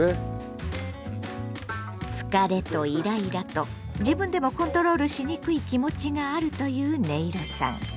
疲れとイライラと自分でもコントロールしにくい気持ちがあるというねいろさん。